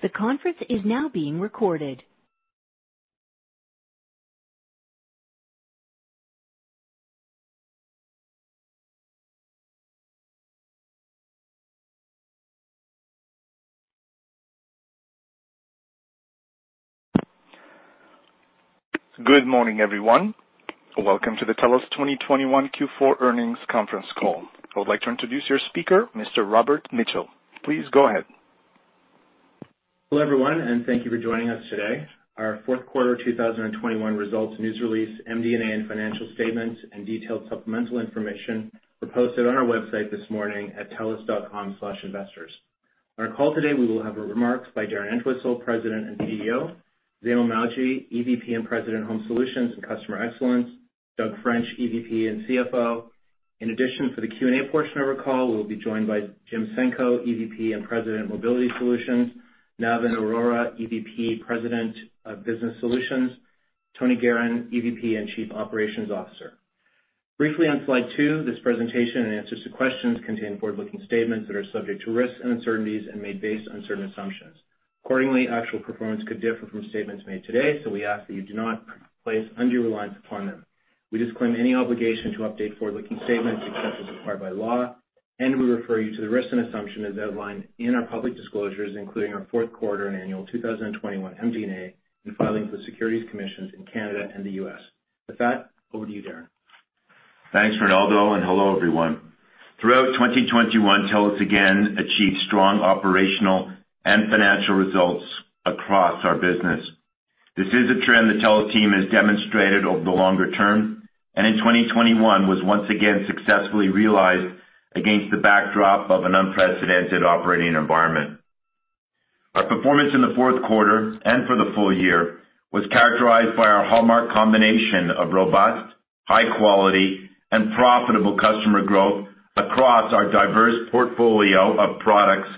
Good morning, everyone. Welcome to the TELUS 2021 Q4 earnings conference call. I would like to introduce your speaker, Mr. Robert Mitchell. Please go ahead. Hello, everyone, and thank you for joining us today. Our fourth quarter 2021 results, news release, MD&A, and financial statements and detailed supplemental information were posted on our website this morning at telus.com/investors. On our call today, we will have remarks by Darren Entwistle, President and CEO, Zainul Mawji, EVP and President, Home Solutions and Customer Excellence, Doug French, EVP and CFO. In addition, for the Q&A portion of our call, we'll be joined by Jim Senko, EVP and President, Mobility Solutions, Navin Arora, EVP, President of Business Solutions, Tony Geheran, EVP and Chief Operations Officer. Briefly on slide 2, this presentation and answers to questions contain forward-looking statements that are subject to risks and uncertainties and made based on certain assumptions. Accordingly, actual performance could differ from statements made today, so we ask that you do not place undue reliance upon them. We disclaim any obligation to update forward-looking statements except as required by law, and we refer you to the risks and assumptions as outlined in our public disclosures, including our fourth quarter and annual 2021 MD&A in filings with the Securities Commissions in Canada and the U.S. With that, over to you, Darren. Thanks, Robert Mitchell, and hello, everyone. Throughout 2021, TELUS again achieved strong operational and financial results across our business. This is a trend the TELUS team has demonstrated over the longer term, and in 2021 was once again successfully realized against the backdrop of an unprecedented operating environment. Our performance in the fourth quarter and for the full year was characterized by our hallmark combination of robust, high quality, and profitable customer growth across our diverse portfolio of products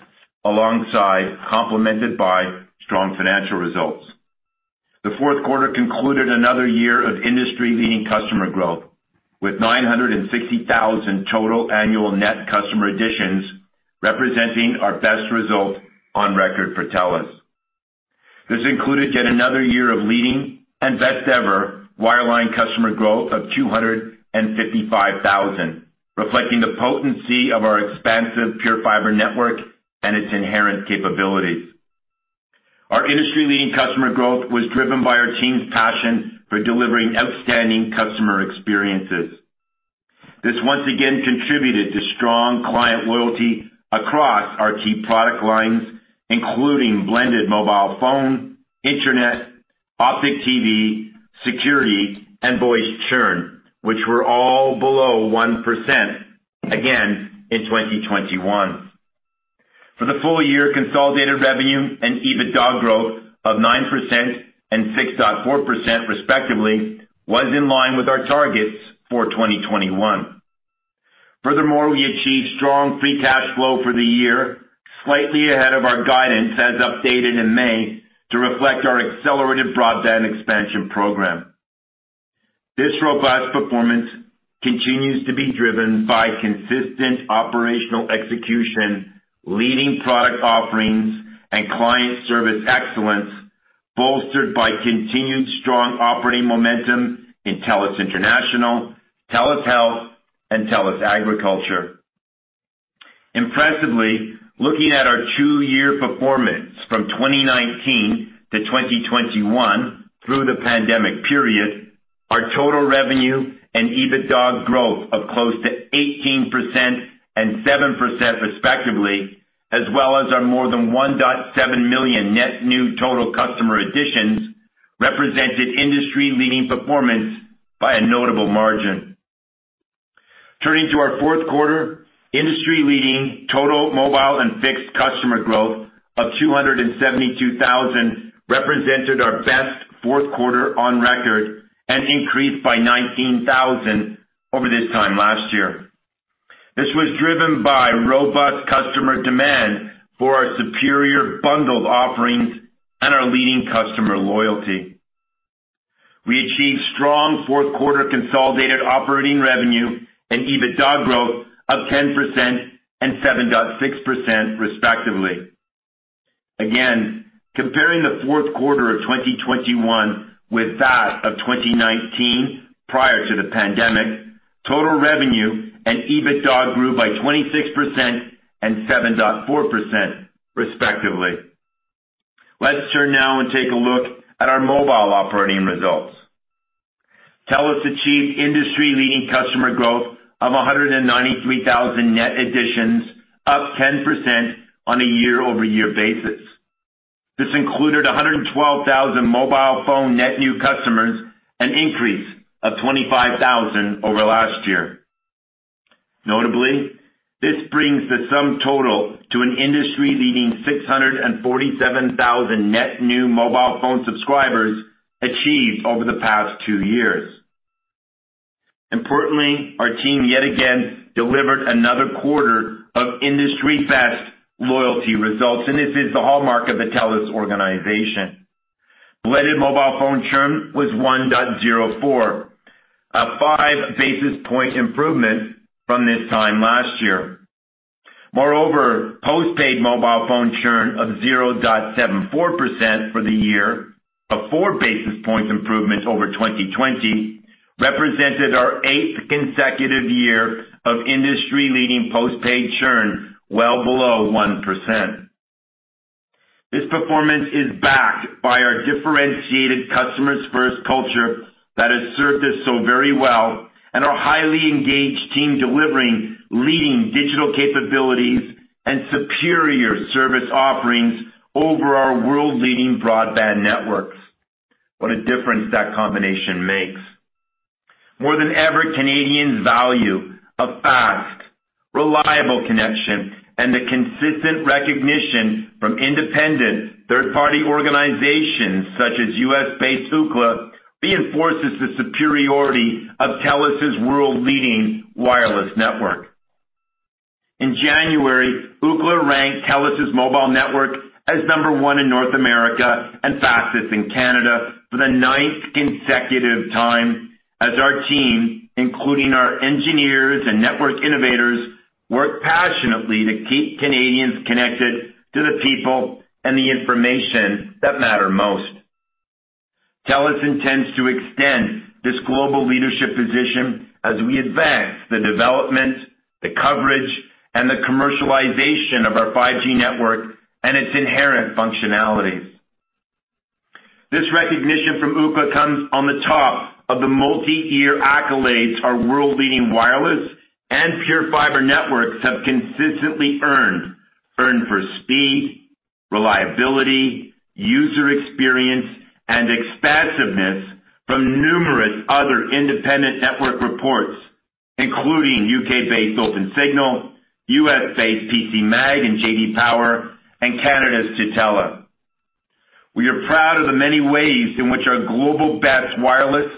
alongside complemented by strong financial results. The fourth quarter concluded another year of industry-leading customer growth, with 960,000 total annual net customer additions, representing our best result on record for TELUS. This included yet another year of leading and best ever wireline customer growth of 255,000, reflecting the potency of our expansive PureFibre network and its inherent capabilities. Our industry-leading customer growth was driven by our team's passion for delivering outstanding customer experiences. This once again contributed to strong client loyalty across our key product lines, including blended mobile phone, internet, Optik TV, security, and voice churn, which were all below 1% again in 2021. For the full year, consolidated revenue and EBITDA growth of 9% and 6.4%, respectively, was in line with our targets for 2021. Furthermore, we achieved strong free cash flow for the year, slightly ahead of our guidance as updated in May to reflect our accelerated broadband expansion program. This robust performance continues to be driven by consistent operational execution, leading product offerings, and client service excellence, bolstered by continued strong operating momentum in TELUS International, TELUS Health, and TELUS Agriculture. Impressively, looking at our two-year performance from 2019 to 2021 through the pandemic period, our total revenue and EBITDA growth of close to 18% and 7% respectively, as well as our more than 1.7 million net new total customer additions, represented industry-leading performance by a notable margin. Turning to our fourth quarter, industry-leading total mobile and fixed customer growth of 272,000 represented our best fourth quarter on record and increased by 19,000 over this time last year. This was driven by robust customer demand for our superior bundled offerings and our leading customer loyalty. We achieved strong fourth quarter consolidated operating revenue and EBITDA growth of 10% and 7.6%, respectively. Again, comparing the fourth quarter of 2021 with that of 2019 prior to the pandemic, total revenue and EBITDA grew by 26% and 7.4%, respectively. Let's turn now and take a look at our mobile operating results. TELUS achieved industry-leading customer growth of 193,000 net additions, up 10% on a year-over-year basis. This included 112,000 mobile phone net new customers, an increase of 25,000 over last year. Notably, this brings the sum total to an industry-leading 647,000 net new mobile phone subscribers achieved over the past two years. Importantly, our team yet again delivered another quarter of industry best loyalty results, and this is the hallmark of the TELUS organization. Weighted mobile phone churn was 1.04, a five basis point improvement from this time last year. Moreover, postpaid mobile phone churn of 0.74% for the year, a 4 basis points improvement over 2020, represented our eighth consecutive year of industry-leading postpaid churn well below 1%. This performance is backed by our differentiated customers first culture that has served us so very well and our highly engaged team delivering leading digital capabilities and superior service offerings over our world-leading broadband networks. What a difference that combination makes. More than ever, Canadians value a fast, reliable connection and the consistent recognition from independent third-party organizations such as U.S.-based Ookla reinforces the superiority of TELUS's world-leading wireless network. In January, Ookla ranked TELUS' mobile network as number one in North America and fastest in Canada for the ninth consecutive time as our team, including our engineers and network innovators, work passionately to keep Canadians connected to the people and the information that matter most. TELUS intends to extend this global leadership position as we advance the development, the coverage, and the commercialization of our 5G network and its inherent functionalities. This recognition from Ookla comes on the top of the multi-year accolades our world-leading wireless and PureFibre networks have consistently earned for speed, reliability, user experience, and expansiveness from numerous other independent network reports, including U.K.-based Opensignal, U.S.-based PCMag and J.D. Power, and Canada's Tutela. We are proud of the many ways in which our global best wireless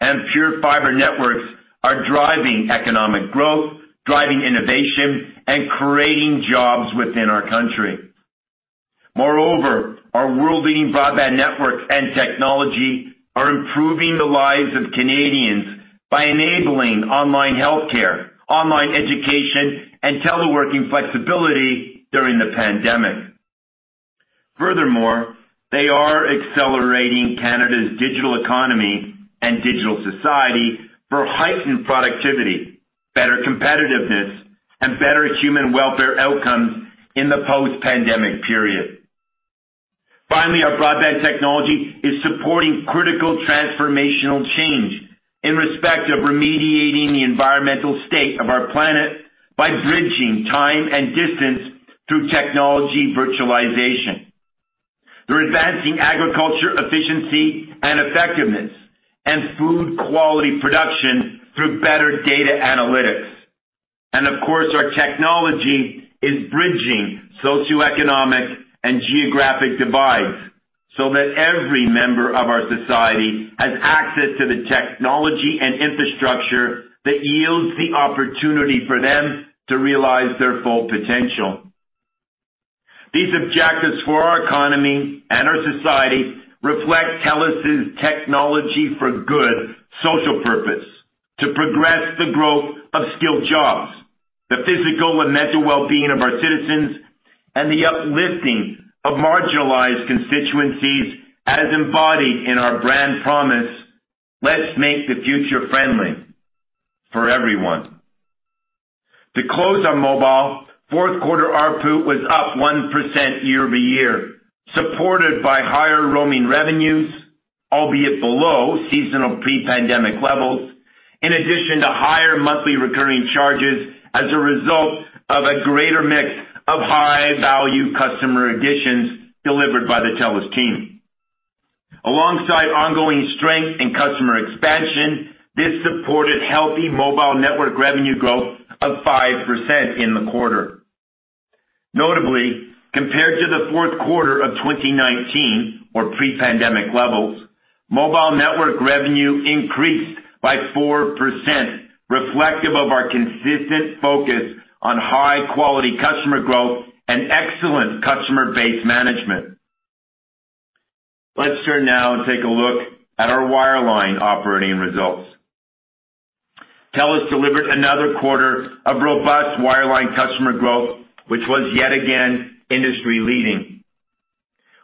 and PureFibre networks are driving economic growth, driving innovation, and creating jobs within our country. Moreover, our world-leading broadband networks and technology are improving the lives of Canadians by enabling online health care, online education, and teleworking flexibility during the pandemic. Furthermore, they are accelerating Canada's digital economy and digital society for heightened productivity, better competitiveness, and better human welfare outcomes in the post-pandemic period. Finally, our broadband technology is supporting critical transformational change in respect of remediating the environmental state of our planet by bridging time and distance through technology virtualization, through advancing agriculture efficiency and effectiveness and food quality production through better data analytics. Of course, our technology is bridging socioeconomic and geographic divides so that every member of our society has access to the technology and infrastructure that yields the opportunity for them to realize their full potential. These objectives for our economy and our society reflect TELUS' technology for good social purpose, to progress the growth of skilled jobs, the physical and mental wellbeing of our citizens, and the uplifting of marginalized constituencies as embodied in our brand promise, "Let's make the future friendly for everyone." To close on mobile, fourth quarter ARPU was up 1% year-over-year, supported by higher roaming revenues, albeit below seasonal pre-pandemic levels, in addition to higher monthly recurring charges as a result of a greater mix of high-value customer additions delivered by the TELUS team. Alongside ongoing strength in customer expansion, this supported healthy mobile network revenue growth of 5% in the quarter. Notably, compared to the fourth quarter of 2019 or pre-pandemic levels, mobile network revenue increased by 4%, reflective of our consistent focus on high-quality customer growth and excellent customer base management. Let's turn now and take a look at our wireline operating results. TELUS delivered another quarter of robust wireline customer growth, which was yet again industry-leading.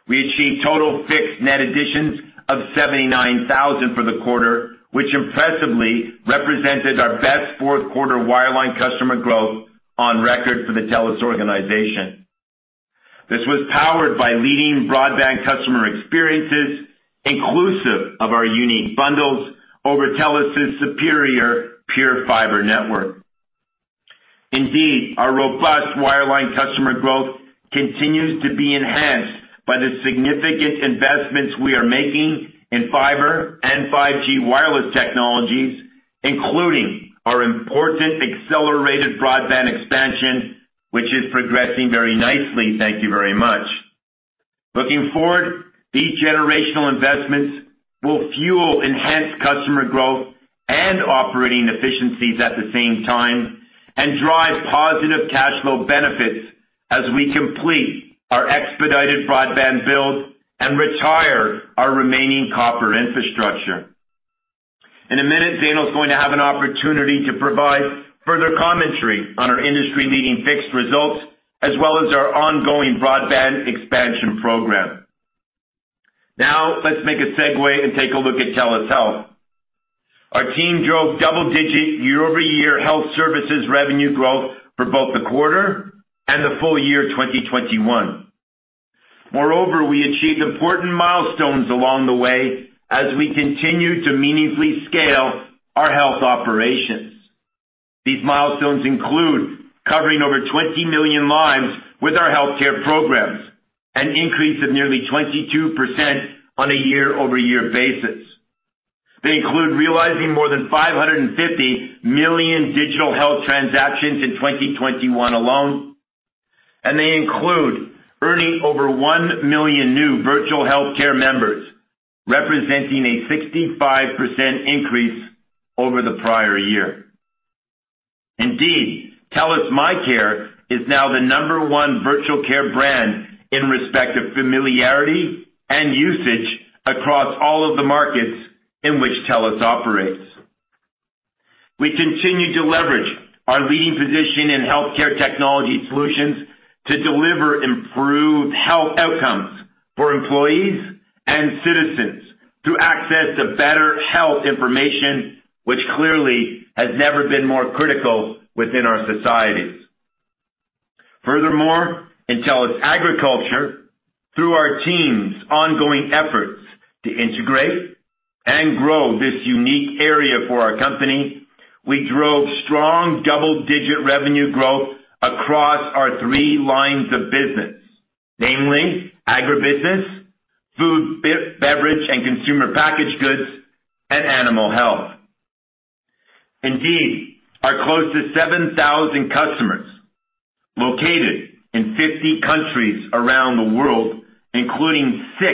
We achieved total fixed net additions of 79,000 for the quarter, which impressively represented our best fourth quarter wireline customer growth on record for the TELUS organization. This was powered by leading broadband customer experiences, inclusive of our unique bundles over TELUS's superior pure fiber network. Indeed, our robust wireline customer growth continues to be enhanced by the significant investments we are making in fiber and 5G wireless technologies, including our important accelerated broadband expansion, which is progressing very nicely, thank you very much. Looking forward, these generational investments will fuel enhanced customer growth and operating efficiencies at the same time and drive positive cash flow benefits. As we complete our expedited broadband build and retire our remaining copper infrastructure. In a minute, Zainul Mawji is going to have an opportunity to provide further commentary on our industry-leading fixed results, as well as our ongoing broadband expansion program. Now let's make a segue and take a look at TELUS Health. Our team drove double-digit year-over-year health services revenue growth for both the quarter and the full year 2021. Moreover, we achieved important milestones along the way as we continue to meaningfully scale our health operations. These milestones include covering over 20 million lives with our healthcare programs, an increase of nearly 22% on a year-over-year basis. They include realizing more than 550 million digital health transactions in 2021 alone, and they include earning over 1 million new virtual healthcare members, representing a 65% increase over the prior year. Indeed, TELUS MyCare is now the number one virtual care brand in respect of familiarity and usage across all of the markets in which TELUS operates. We continue to leverage our leading position in healthcare technology solutions to deliver improved health outcomes for employees and citizens through access to better health information, which clearly has never been more critical within our societies. Furthermore, in TELUS Agriculture, through our team's ongoing efforts to integrate and grow this unique area for our company, we drove strong double-digit revenue growth across our three lines of business, namely agribusiness, food, beverage, and consumer packaged goods, and animal health. Indeed, our close to 7,000 customers located in 50 countries around the world, including 6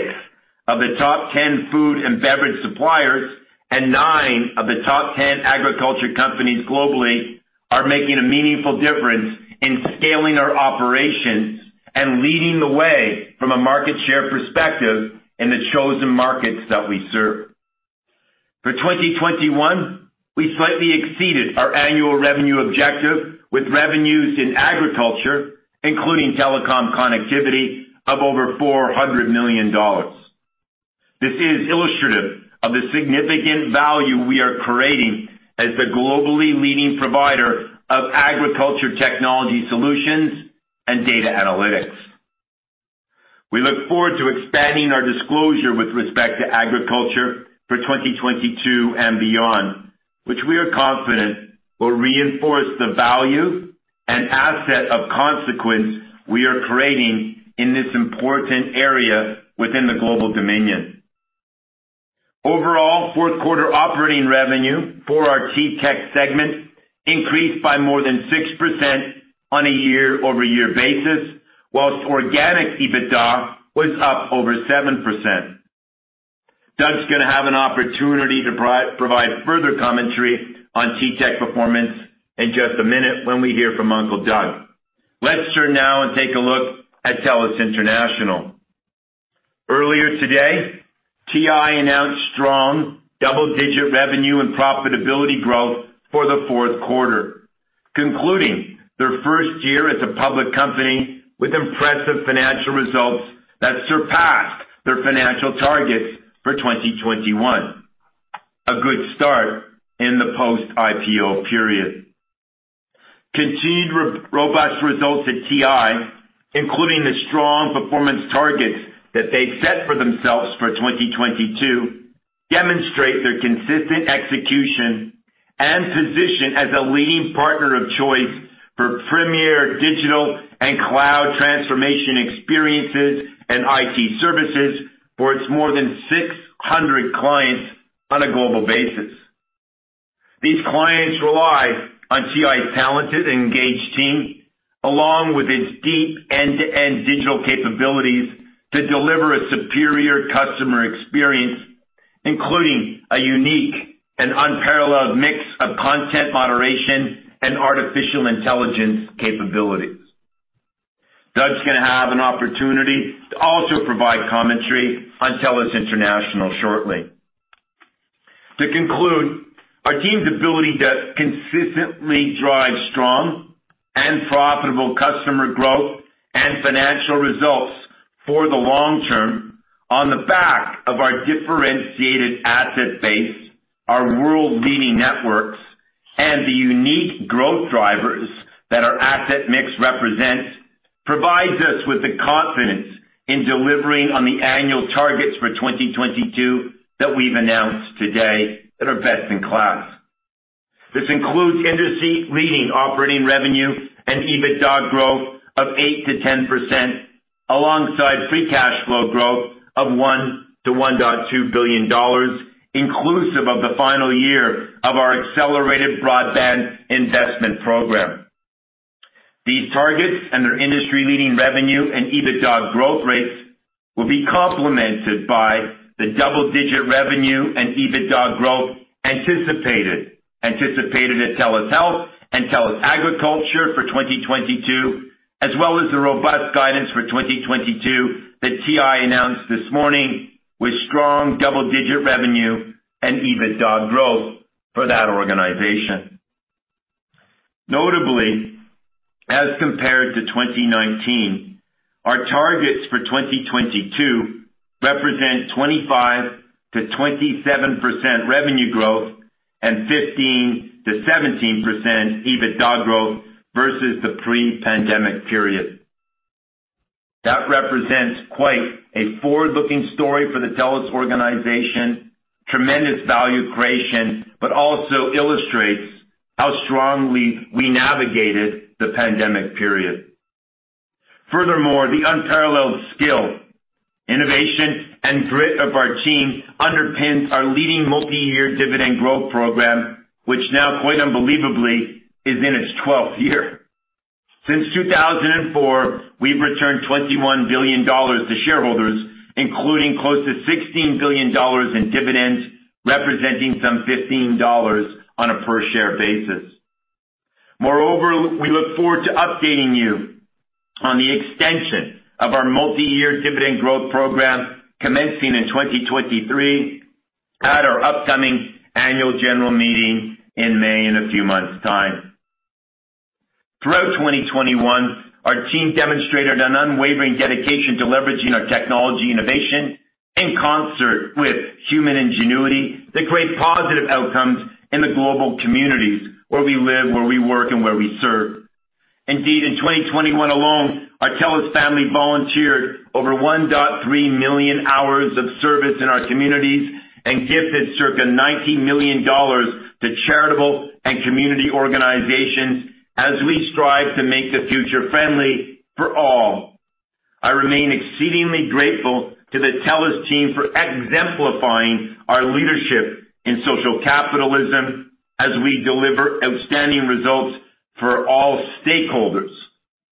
of the top 10 food and beverage suppliers and 9 of the top 10 agriculture companies globally, are making a meaningful difference in scaling our operations and leading the way from a market share perspective in the chosen markets that we serve. For 2021, we slightly exceeded our annual revenue objective with revenues in agriculture, including telecom connectivity of over 400 million dollars. This is illustrative of the significant value we are creating as the globally leading provider of agriculture technology solutions and data analytics. We look forward to expanding our disclosure with respect to agriculture for 2022 and beyond, which we are confident will reinforce the value and asset of consequence we are creating in this important area within the global domain. Overall, fourth quarter operating revenue for our TELUS Technology Solutions segment increased by more than 6% on a year-over-year basis, while organic EBITDA was up over 7%. Doug's going to have an opportunity to provide further commentary on TELUS Technology Solutions performance in just a minute when we hear from Uncle Doug. Let's turn now and take a look at TELUS International. Earlier today, TI announced strong double-digit revenue and profitability growth for the fourth quarter, concluding their first year as a public company with impressive financial results that surpassed their financial targets for 2021. A good start in the post-IPO period. Continued robust results at TI, including the strong performance targets that they set for themselves for 2022, demonstrate their consistent execution and position as a leading partner of choice for premier digital and cloud transformation experiences and IT services for its more than 600 clients on a global basis. These clients rely on TI's talented and engaged team, along with its deep end-to-end digital capabilities, to deliver a superior customer experience, including a unique and unparalleled mix of content moderation and artificial intelligence capabilities. Doug's going to have an opportunity to also provide commentary on TELUS International shortly. To conclude, our team's ability to consistently drive strong and profitable customer growth and financial results for the long term on the back of our differentiated asset base, our world-leading networks, and the unique growth drivers that our asset mix represents, provides us with the confidence in delivering on the annual targets for 2022 that we've announced today that are best in class. This includes industry-leading operating revenue and EBITDA growth of 8%-10%, alongside free cash flow growth of 1 billion-1.2 billion dollars, inclusive of the final year of our accelerated broadband investment program. These targets and their industry-leading revenue and EBITDA growth rates will be complemented by the double-digit revenue and EBITDA growth anticipated at TELUS Health and TELUS Agriculture for 2022, as well as the robust guidance for 2022 that TI announced this morning, with strong double-digit revenue and EBITDA growth for that organization. Notably, as compared to 2019, our targets for 2022 represent 25%-27% revenue growth and 15%-17% EBITDA growth versus the pre-pandemic period. That represents quite a forward-looking story for the TELUS organization, tremendous value creation, but also illustrates how strongly we navigated the pandemic period. Furthermore, the unparalleled skill, innovation, and grit of our team underpins our leading multi-year dividend growth program, which now, quite unbelievably, is in its 12th year. Since 2004, we've returned CAD 21 billion to shareholders, including close to CAD 16 billion in dividends, representing some CAD 15 on a per-share basis. Moreover, we look forward to updating you on the extension of our multi-year dividend growth program commencing in 2023 at our upcoming annual general meeting in May in a few months' time. Throughout 2021, our team demonstrated an unwavering dedication to leveraging our technology innovation in concert with human ingenuity that create positive outcomes in the global communities where we live, where we work, and where we serve. Indeed, in 2021 alone, our TELUS family volunteered over 1.3 million hours of service in our communities and gifted circa 90 million dollars to charitable and community organizations as we strive to make the future friendly for all. I remain exceedingly grateful to the TELUS team for exemplifying our leadership in social capitalism as we deliver outstanding results for all stakeholders.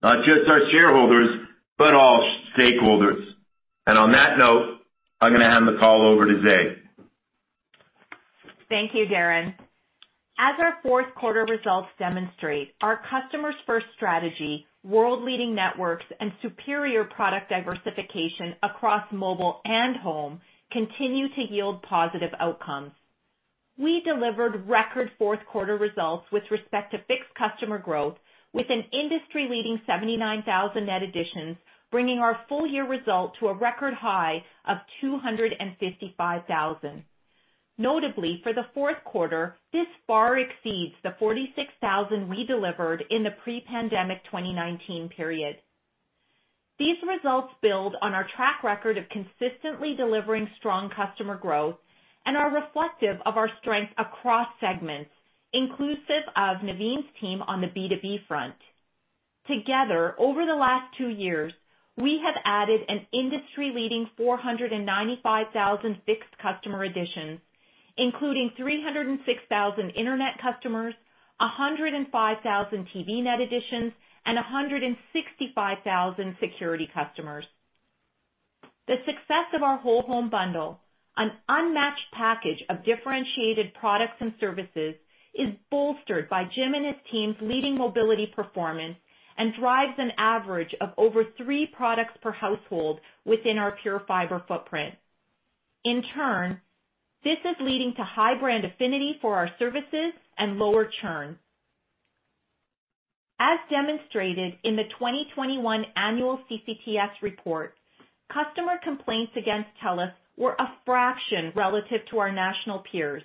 Not just our shareholders, but all stakeholders. On that note, I'm gonna hand the call over to Zainul. Thank you, Darren. As our fourth quarter results demonstrate, our customers first strategy, world-leading networks, and superior product diversification across mobile and home continue to yield positive outcomes. We delivered record fourth quarter results with respect to fixed customer growth with an industry-leading 79,000 net additions, bringing our full year result to a record high of 255,000. Notably, for the fourth quarter, this far exceeds the 46,000 we delivered in the pre-pandemic 2019 period. These results build on our track record of consistently delivering strong customer growth and are reflective of our strength across segments, inclusive of Navin's team on the B2B front. Together, over the last two years, we have added an industry-leading 495,000 fixed customer additions, including 306,000 internet customers, 105,000 TV net additions, and 165,000 security customers. The success of our whole home bundle, an unmatched package of differentiated products and services, is bolstered by Jim and his team's leading mobility performance and drives an average of over 3 products per household within our PureFibre footprint. In turn, this is leading to high brand affinity for our services and lower churn. As demonstrated in the 2021 annual CCTS report, customer complaints against TELUS were a fraction relative to our national peers,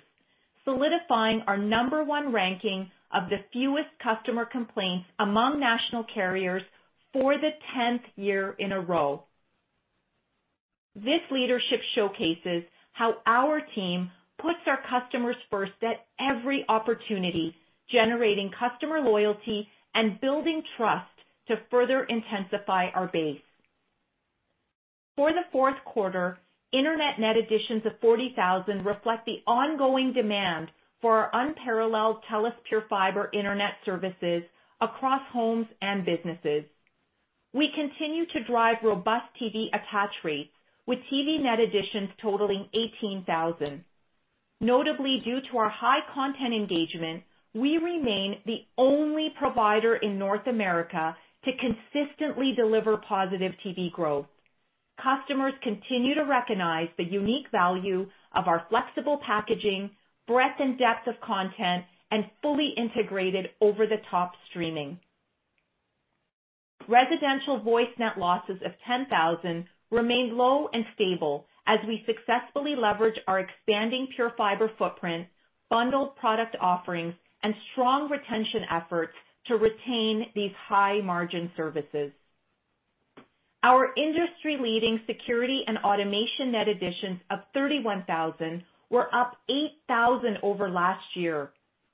solidifying our number one ranking of the fewest customer complaints among national carriers for the 10th year in a row. This leadership showcases how our team puts our customers first at every opportunity, generating customer loyalty and building trust to further intensify our base. For the fourth quarter, internet net additions of 40,000 reflect the ongoing demand for our unparalleled TELUS PureFibre internet services across homes and businesses. We continue to drive robust TV attach rates with TV net additions totaling 18,000. Notably, due to our high content engagement, we remain the only provider in North America to consistently deliver positive TV growth. Customers continue to recognize the unique value of our flexible packaging, breadth and depth of content, and fully integrated over-the-top streaming. Residential voice net losses of 10,000 remained low and stable as we successfully leverage our expanding PureFibre footprint, bundled product offerings, and strong retention efforts to retain these high-margin services. Our industry-leading security and automation net additions of 31,000 were up 8,000 over last year,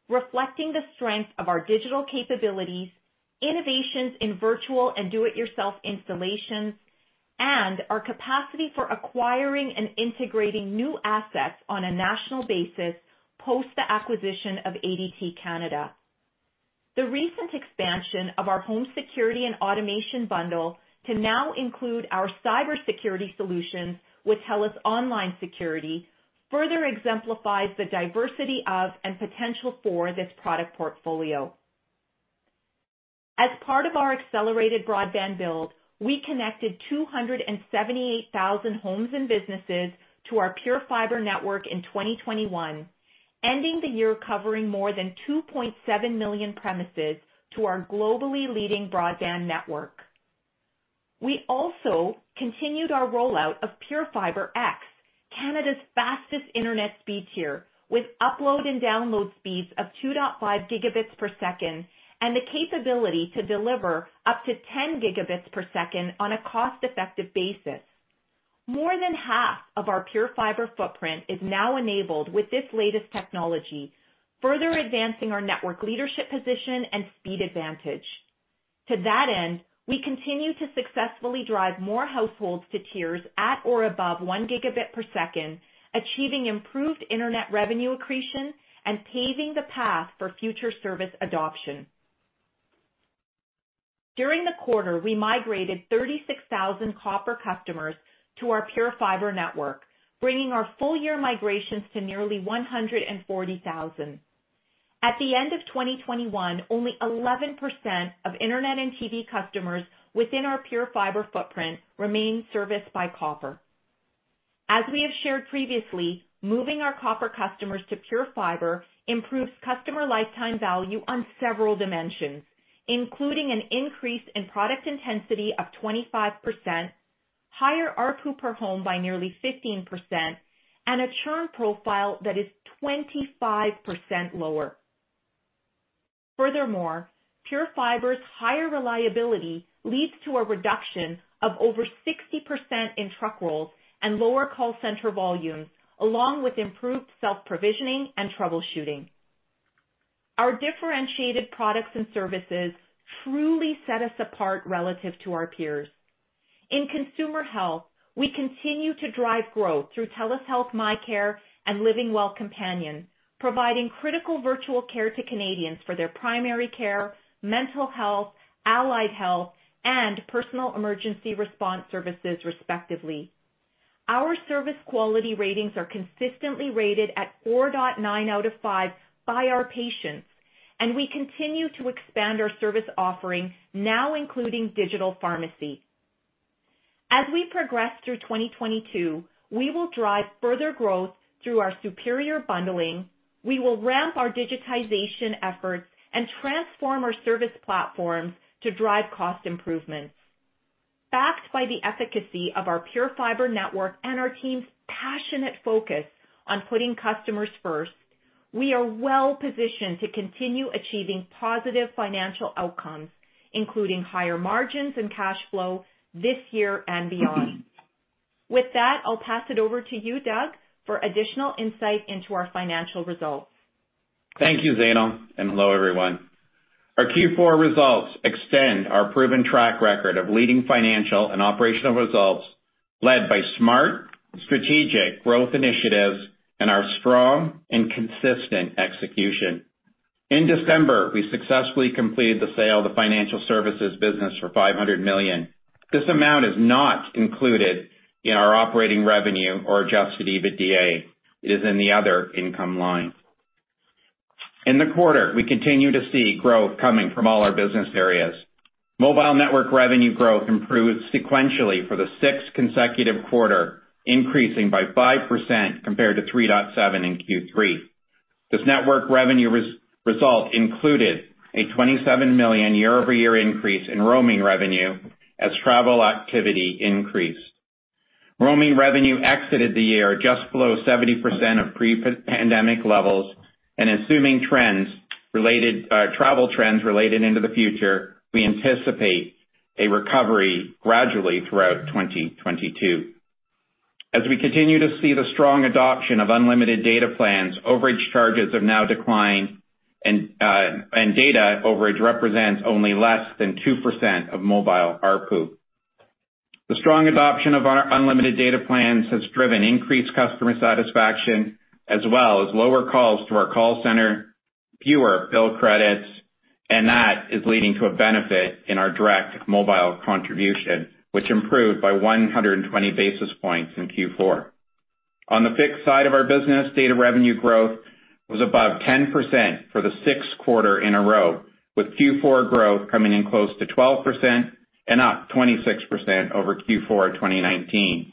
reflecting the strength of our digital capabilities, innovations in virtual and do-it-yourself installations, and our capacity for acquiring and integrating new assets on a national basis post the acquisition of ADT Canada. The recent expansion of our home security and automation bundle to now include our cybersecurity solutions with TELUS Online Security further exemplifies the diversity of and potential for this product portfolio. As part of our accelerated broadband build, we connected 278,000 homes and businesses to our PureFibre network in 2021, ending the year covering more than 2.7 million premises to our globally leading broadband network. We also continued our rollout of PureFibre X, Canada's fastest internet speed tier, with upload and download speeds of 2.5 gigabits per second, and the capability to deliver up to 10 gigabits per second on a cost-effective basis. More than half of our PureFibre footprint is now enabled with this latest technology, further advancing our network leadership position and speed advantage. To that end, we continue to successfully drive more households to tiers at or above 1 gigabit per second, achieving improved internet revenue accretion and paving the path for future service adoption. During the quarter, we migrated 36,000 copper customers to our PureFibre network, bringing our full-year migrations to nearly 140,000. At the end of 2021, only 11% of internet and TV customers within our PureFibre footprint remain serviced by copper. As we have shared previously, moving our copper customers to PureFibre improves customer lifetime value on several dimensions, including an increase in product intensity of 25%, higher ARPU per home by nearly 15%, and a churn profile that is 25% lower. Furthermore, PureFibre's higher reliability leads to a reduction of over 60% in truck rolls and lower call center volumes, along with improved self-provisioning and troubleshooting. Our differentiated products and services truly set us apart relative to our peers. In consumer health, we continue to drive growth through TELUS Health MyCare and LivingWell Companion, providing critical virtual care to Canadians for their primary care, mental health, allied health, and personal emergency response services, respectively. Our service quality ratings are consistently rated at 4.9 out of 5 by our patients, and we continue to expand our service offerings now including digital pharmacy. As we progress through 2022, we will drive further growth through our superior bundling, we will ramp our digitization efforts and transform our service platforms to drive cost improvements. Backed by the efficacy of our PureFibre network and our team's passionate focus on putting customers first, we are well-positioned to continue achieving positive financial outcomes, including higher margins and cash flow this year and beyond. With that, I'll pass it over to you, Doug, for additional insight into our financial results. Thank you, Zainul Mawji, and hello, everyone. Our Q4 results extend our proven track record of leading financial and operational results led by smart, strategic growth initiatives and our strong and consistent execution. In December, we successfully completed the sale of the financial services business for 500 million. This amount is not included in our operating revenue or adjusted EBITDA. It is in the other income line. In the quarter, we continue to see growth coming from all our business areas. Mobile network revenue growth improved sequentially for the sixth consecutive quarter, increasing by 5% compared to 3.7% in Q3. This network revenue result included a 27 million year-over-year increase in roaming revenue as travel activity increased. Roaming revenue exited the year just below 70% of pre-pan-pandemic levels and assuming travel trends related into the future, we anticipate a recovery gradually throughout 2022. As we continue to see the strong adoption of unlimited data plans, overage charges have now declined and data overage represents only less than 2% of mobile ARPU. The strong adoption of our unlimited data plans has driven increased customer satisfaction as well as lower calls to our call center, fewer bill credits, and that is leading to a benefit in our direct mobile contribution, which improved by 120 basis points in Q4. On the fixed side of our business, data revenue growth was above 10% for the sixth quarter in a row, with Q4 growth coming in close to 12% and up 26% over Q4 of 2019.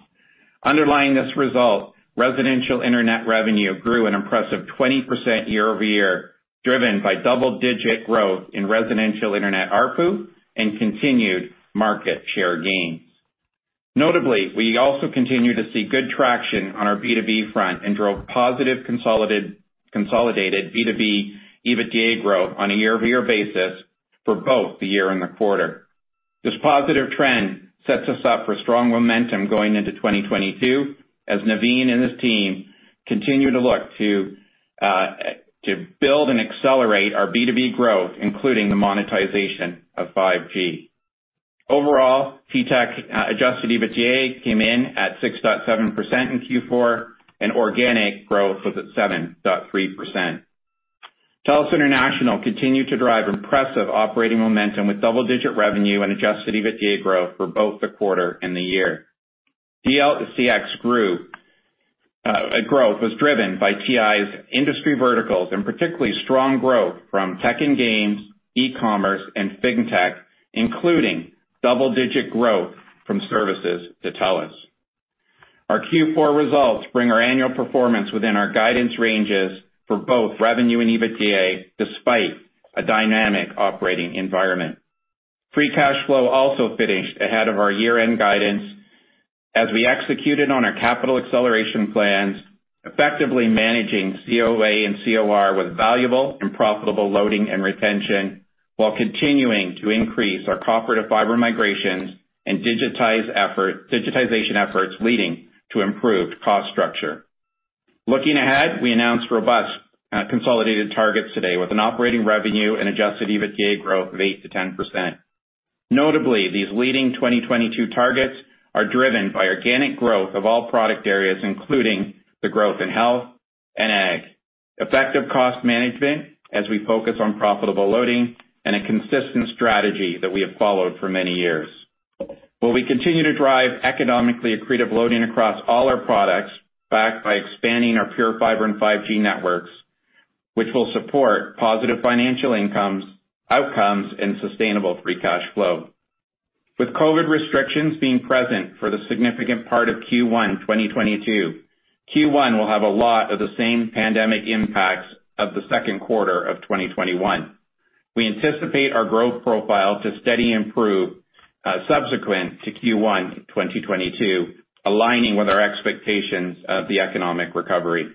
Underlying this result, residential internet revenue grew an impressive 20% year-over-year, driven by double-digit growth in residential internet ARPU and continued market share gains. Notably, we also continue to see good traction on our B2B front and drove positive consolidated B2B EBITDA growth on a year-over-year basis for both the year and the quarter. This positive trend sets us up for strong momentum going into 2022 as Navin and his team continue to look to build and accelerate our B2B growth, including the monetization of 5G. Overall, TELUS Technology Solutions adjusted EBITDA came in at 6.7% in Q4, and organic growth was at 7.3%. TELUS International continued to drive impressive operating momentum with double-digit revenue and adjusted EBITDA growth for both the quarter and the year. DLCX grew. Growth was driven by TI's industry verticals and particularly strong growth from tech and games, e-commerce, and fintech, including double-digit growth from services to TELUS. Our Q4 results bring our annual performance within our guidance ranges for both revenue and EBITDA, despite a dynamic operating environment. Free cash flow also finished ahead of our year-end guidance as we executed on our capital acceleration plans, effectively managing COA and COR with valuable and profitable loading and retention while continuing to increase our copper-to-fiber migrations and digitization efforts leading to improved cost structure. Looking ahead, we announced robust consolidated targets today with an operating revenue and adjusted EBITDA growth of 8%-10%. Notably, these leading 2022 targets are driven by organic growth of all product areas, including the growth in health and ag, effective cost management as we focus on profitable loading and a consistent strategy that we have followed for many years, where we continue to drive economically accretive loading across all our products, backed by expanding our PureFibre and 5G networks, which will support positive financial outcomes, and sustainable free cash flow. With COVID restrictions being present for the significant part of Q1 2022, Q1 will have a lot of the same pandemic impacts of the second quarter of 2021. We anticipate our growth profile to steady improve, subsequent to Q1 2022, aligning with our expectations of the economic recovery.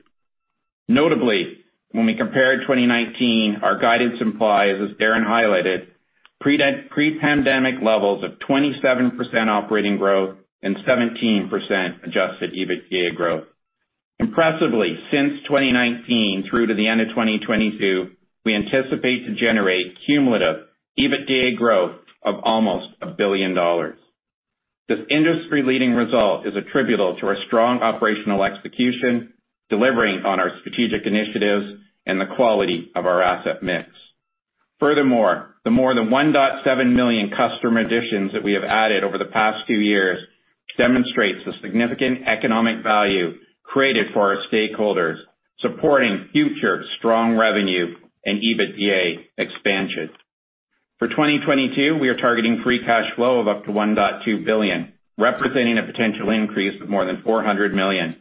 Notably, when we compare 2019, our guidance implies, as Darren highlighted, pre-pandemic levels of 27% operating growth and 17% adjusted EBITDA growth. Impressively, since 2019 through to the end of 2022, we anticipate to generate cumulative EBITDA growth of almost 1 billion dollars. This industry-leading result is attributable to our strong operational execution, delivering on our strategic initiatives and the quality of our asset mix. Furthermore, the more than 1.7 million customer additions that we have added over the past two years demonstrates the significant economic value created for our stakeholders, supporting future strong revenue and EBITDA expansion. For 2022, we are targeting free cash flow of up to 1.2 billion, representing a potential increase of more than 400 million.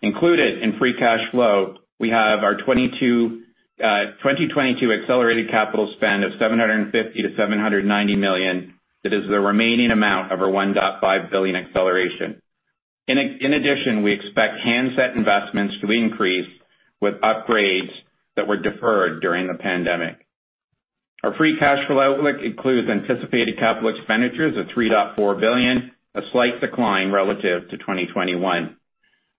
Included in free cash flow, we have our 2022 accelerated capital spend of 750 million-790 million that is the remaining amount of our 1.5 billion acceleration. In addition, we expect handset investments to increase with upgrades that were deferred during the pandemic. Our free cash flow outlook includes anticipated capital expenditures of 3.4 billion, a slight decline relative to 2021,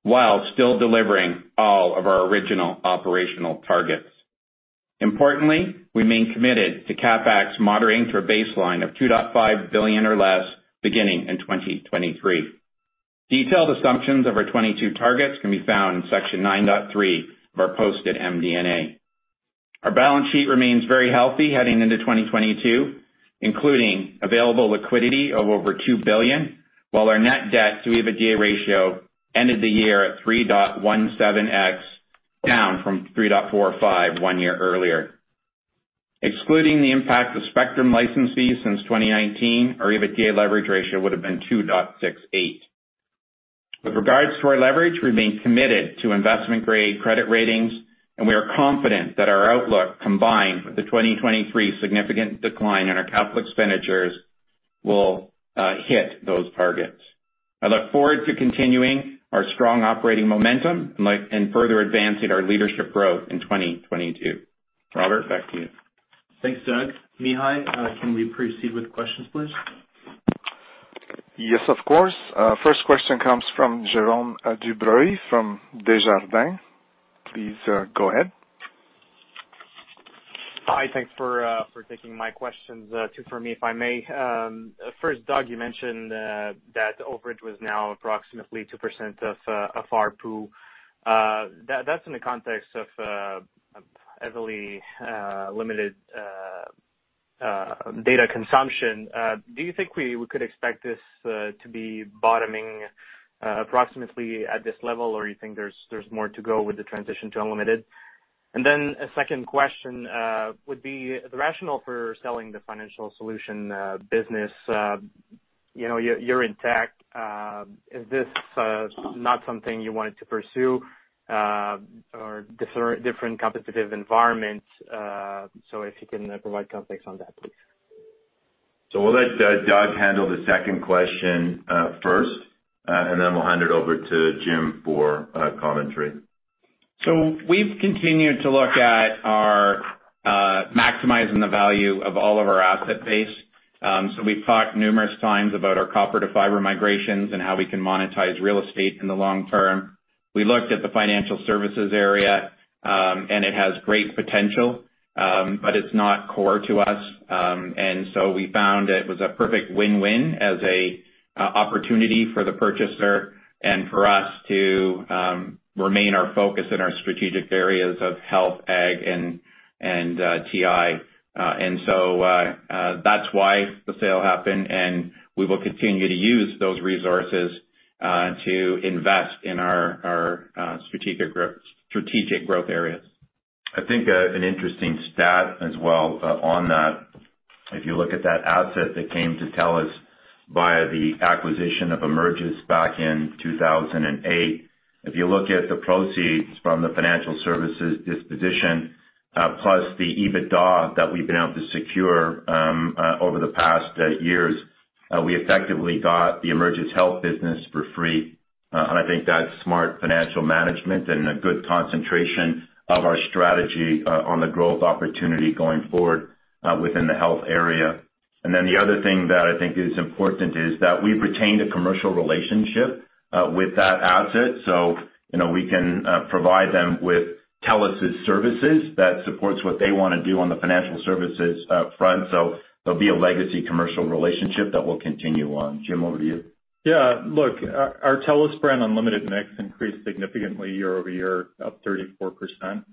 while still delivering all of our original operational targets. Importantly, we remain committed to CapEx moderating to a baseline of 2.5 billion or less beginning in 2023. Detailed assumptions of our 2022 targets can be found in Section 9.3 of our posted MD&A. Our balance sheet remains very healthy heading into 2022, including available liquidity of over 2 billion, while our net debt to EBITDA ratio ended the year at 3.17x, down from 3.45 one year earlier. Excluding the impact of spectrum licensees since 2019, our EBITDA leverage ratio would have been 2.68. With regards to our leverage, we remain committed to investment-grade credit ratings, and we are confident that our outlook, combined with the 2023 significant decline in our capital expenditures, will hit those targets. I look forward to continuing our strong operating momentum and further advancing our leadership growth in 2022. Robert, back to you. Thanks, Doug. Mihai, can we proceed with questions, please? Yes, of course. First question comes from Jerome Dubreuil from Desjardins. Please, go ahead. Hi, thanks for taking my questions. Two for me, if I may. First, Doug, you mentioned that overage was now approximately 2% of ARPU. That's in the context of heavily limited data consumption. Do you think we could expect this to be bottoming approximately at this level? Or you think there's more to go with the transition to unlimited? A second question would be the rationale for selling the financial solution business. You know, you're in tech. Is this not something you wanted to pursue, or different competitive environments? If you can provide context on that, please. We'll let Doug handle the second question first, and then we'll hand it over to Jim for commentary. We've continued to look at maximizing the value of all of our asset base. We've talked numerous times about our copper-to-fiber migrations and how we can monetize real estate in the long term. We looked at the financial services area, and it has great potential, but it's not core to us. We found it was a perfect win-win as an opportunity for the purchaser and for us to remain focused on our strategic areas of health, ag, and TI. That's why the sale happened, and we will continue to use those resources to invest in our strategic growth areas. I think an interesting stat as well on that, if you look at that asset that came to TELUS via the acquisition of Emergis back in 2008, if you look at the proceeds from the financial services disposition plus the EBITDA that we've been able to secure over the past years, we effectively got the Emergis Health business for free. I think that's smart financial management and a good concentration of our strategy on the growth opportunity going forward within the health area. Then the other thing that I think is important is that we've retained a commercial relationship with that asset, so you know, we can provide them with TELUS' services that supports what they wanna do on the financial services front. There'll be a legacy commercial relationship that we'll continue on. Jim, over to you. Yeah. Look, our TELUS brand unlimited mix increased significantly year-over-year, up 34%.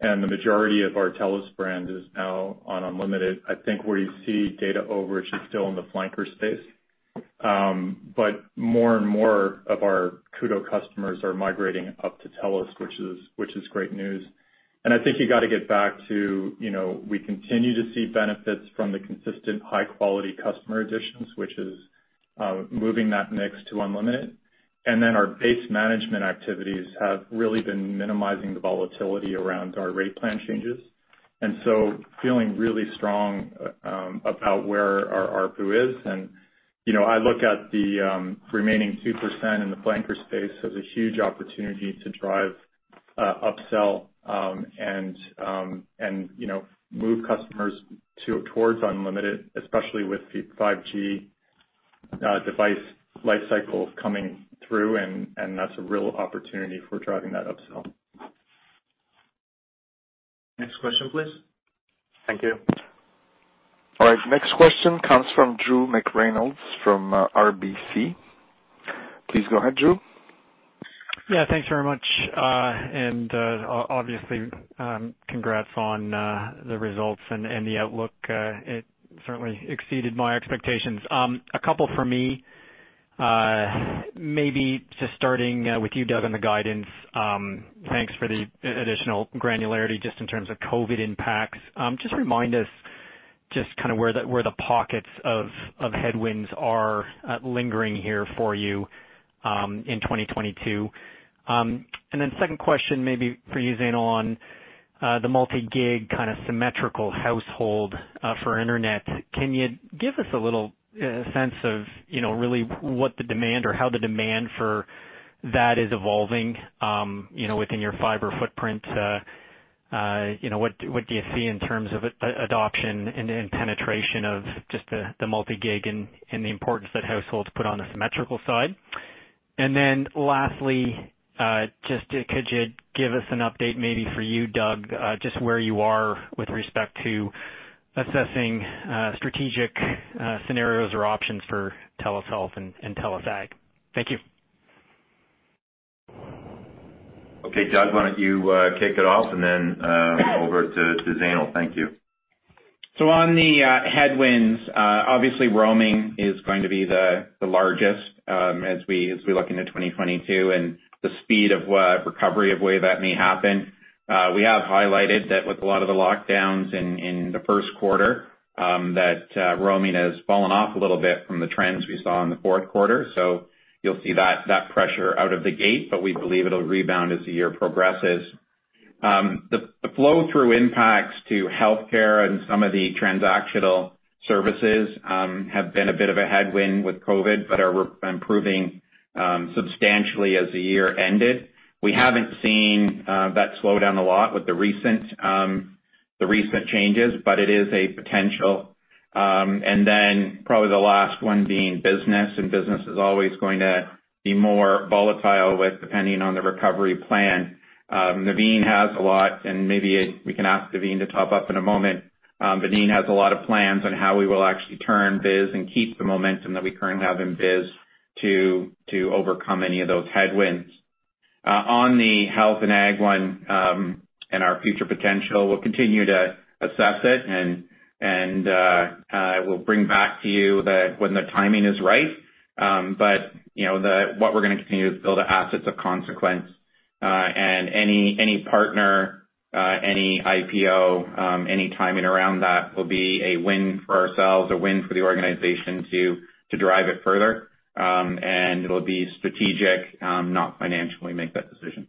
The majority of our TELUS brand is now on unlimited. I think where you see data overage is still in the flanker space. But more and more of our Koodo customers are migrating up to TELUS, which is great news. I think you gotta get back to, you know, we continue to see benefits from the consistent high-quality customer additions, which is moving that mix to unlimited. Our base management activities have really been minimizing the volatility around our rate plan changes. Feeling really strong about where our ARPU is. I look at the remaining 2% in the flanker space as a huge opportunity to drive upsell, and you know, move customers towards unlimited, especially with the 5G device life cycles coming through, and that's a real opportunity for driving that upsell. Next question, please. Thank you. All right, next question comes from Drew McReynolds from RBC. Please go ahead, Drew. Yeah, thanks very much. Obviously, congrats on the results and the outlook. It certainly exceeded my expectations. A couple for me. Maybe just starting with you, Doug, on the guidance. Thanks for the additional granularity just in terms of COVID impacts. Just remind us just kinda where the pockets of headwinds are lingering here for you in 2022. Then second question maybe for you, Zainul, on the multi-gig kinda symmetrical household for internet. Can you give us a little sense of, you know, really what the demand or how the demand for that is evolving, you know, within your fiber footprint? What do you see in terms of adoption and penetration of just the multi-gig and the importance that households put on the symmetrical side? Lastly, could you give us an update maybe for you, Doug, just where you are with respect to assessing strategic scenarios or options for TELUS Health and TELUS Ag? Thank you. Okay, Doug, why don't you kick it off and then over to Zainul. Thank you. On the headwinds, obviously roaming is going to be the largest as we look into 2022 and the speed of recovery the way that may happen. We have highlighted that with a lot of the lockdowns in the first quarter that roaming has fallen off a little bit from the trends we saw in the fourth quarter. You'll see that pressure out of the gate, but we believe it'll rebound as the year progresses. The flow-through impacts to healthcare and some of the transactional services have been a bit of a headwind with COVID, but are improving substantially as the year ended. We haven't seen that slow down a lot with the recent changes, but it is a potential. Probably the last one being business, and business is always going to be more volatile depending on the recovery plan. Navin has a lot, and maybe we can ask Navin to top up in a moment. Navin has a lot of plans on how we will actually turn biz and keep the momentum that we currently have in biz to overcome any of those headwinds. On the health and ag one and our future potential, we'll continue to assess it and we'll bring back to you when the timing is right. You know, what we're gonna continue is build assets of consequence, and any partner, any IPO, any timing around that will be a win for ourselves, a win for the organization to drive it further. It'll be strategic, not financially make that decision.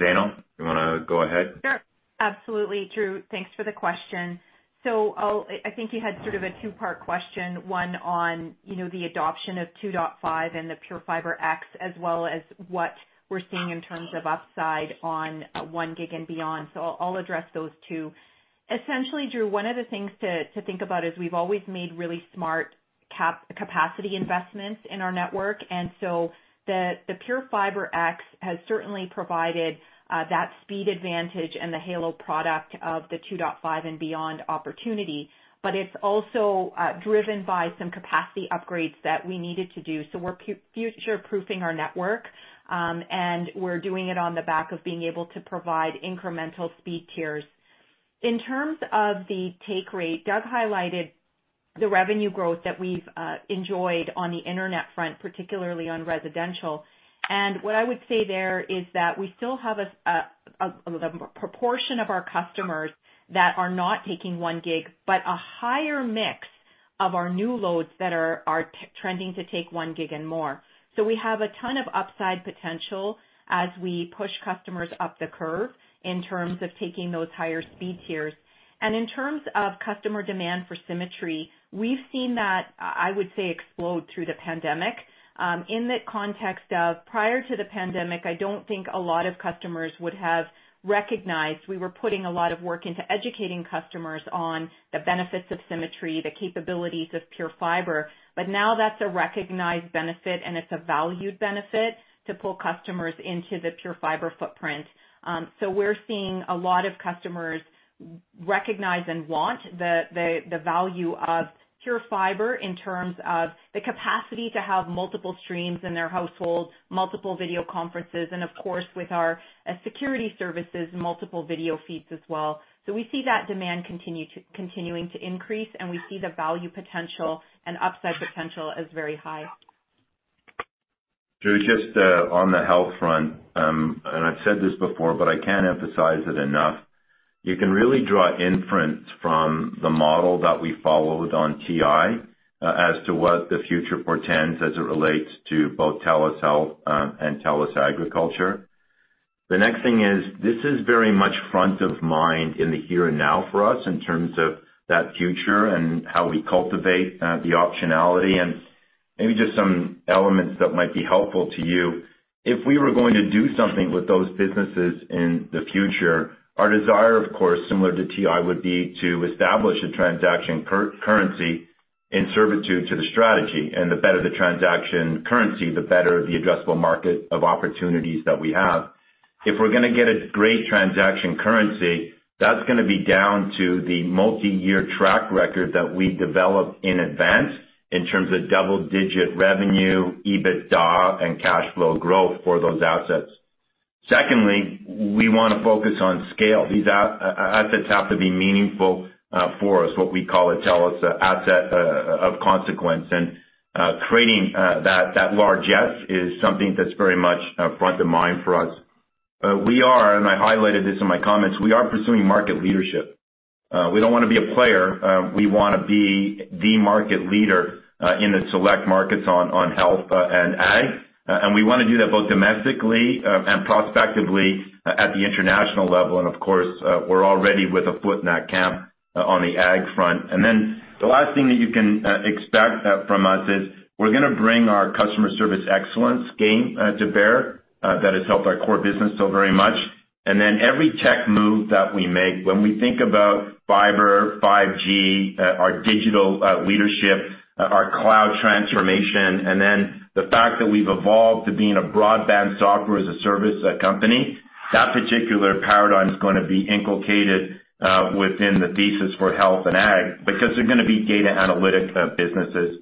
Zainul, you wanna go ahead? Sure. Absolutely, Drew. Thanks for the question. I think you had sort of a two-part question, one on, you know, the adoption of 2.5 and the PureFibre X, as well as what we're seeing in terms of upside on 1 gig and beyond. I'll address those two. Essentially, Drew, one of the things to think about is we've always made really smart capacity investments in our network. The PureFibre X has certainly provided that speed advantage and the halo product of the 2.5 and beyond opportunity. It's also driven by some capacity upgrades that we needed to do. We're future-proofing our network, and we're doing it on the back of being able to provide incremental speed tiers. In terms of the take rate, Doug highlighted the revenue growth that we've enjoyed on the internet front, particularly on residential. What I would say there is that we still have the proportion of our customers that are not taking 1 gig, but a higher mix of our new loads that are trending to take 1 gig and more. We have a ton of upside potential as we push customers up the curve in terms of taking those higher speed tiers. In terms of customer demand for symmetry, we've seen that, I would say, explode through the pandemic. In the context of prior to the pandemic, I don't think a lot of customers would have recognized we were putting a lot of work into educating customers on the benefits of symmetry, the capabilities of PureFibre. Now that's a recognized benefit, and it's a valued benefit to pull customers into the PureFibre footprint. We're seeing a lot of customers recognize and want the value of PureFibre in terms of the capacity to have multiple streams in their households, multiple video conferences, and of course, with our security services, multiple video feeds as well. We see that demand continuing to increase, and we see the value potential and upside potential as very high. Drew, just on the health front, and I've said this before, but I can't emphasize it enough. You can really draw inference from the model that we followed on TI as to what the future portends as it relates to both TELUS Health and TELUS Agriculture. The next thing is this is very much front of mind in the here and now for us in terms of that future and how we cultivate the optionality and maybe just some elements that might be helpful to you. If we were going to do something with those businesses in the future, our desire, of course, similar to TI, would be to establish a transaction currency in service to the strategy. The better the transaction currency, the better the addressable market of opportunities that we have. If we're gonna get a great transaction currency, that's gonna be down to the multi-year track record that we develop in advance in terms of double-digit revenue, EBITDA, and cash flow growth for those assets. Secondly, we want to focus on scale. These assets have to be meaningful for us, what we call at TELUS asset of consequence. Creating that largesse is something that's very much front of mind for us. We are, and I highlighted this in my comments, we are pursuing market leadership. We don't want to be a player, we want to be the market leader in the select markets on health and ag, and we want to do that both domestically and prospectively at the international level. Of course, we're already with a foot in that camp on the ag front. The last thing that you can expect from us is we're gonna bring our customer service excellence game to bear that has helped our core business so very much. Every tech move that we make when we think about fiber, 5G, our digital leadership, our cloud transformation, and then the fact that we've evolved to being a broadband software-as-a-service company, that particular paradigm is gonna be inculcated within the thesis for health and ag because they're gonna be data analytic businesses.